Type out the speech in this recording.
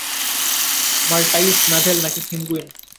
Maltese, navel, না কি সেঙ্গুইন?